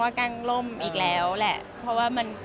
ไม่อย่างที่บอกเขาเช็ดถ่ายให้